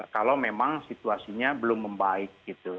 kalau memang situasinya belum membaik gitu